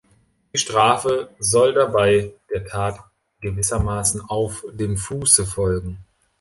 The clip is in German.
Die Strafe soll dabei der Tat gewissermaßen „auf dem Fuße“ folgen.